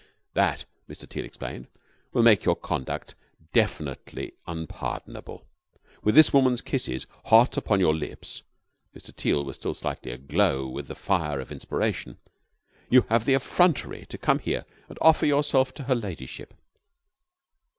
"That," Mr. Teal explained, "will make your conduct definitely unpardonable. With this woman's kisses hot upon your lips," Mr. Teal was still slightly aglow with the fire of inspiration "you have the effrontery to come here and offer yourself to her ladyship."